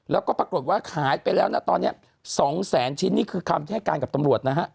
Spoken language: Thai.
แล้วก็ปรากฏว่าขายไปแล้วนะตอนนี้๒แสนชิ้นนี่คือคำให้การกับตำรวจนะฮะ